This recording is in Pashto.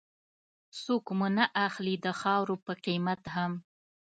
څوک مو نه اخلي د خاورو په قيمت هم